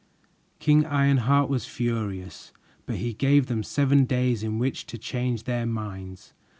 King Ironheart was furious, but he gave them seven days in which to change their minds.